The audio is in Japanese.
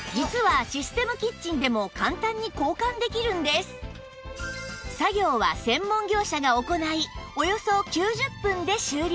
そう実は作業は専門業者が行いおよそ９０分で終了